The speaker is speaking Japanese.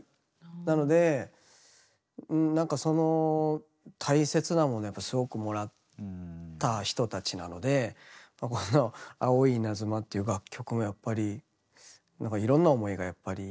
なのでなんかその大切なものやっぱすごくもらった人たちなのでこの「青いイナズマ」っていう楽曲もやっぱりなんかいろんな思いがやっぱり宿ってるんですよね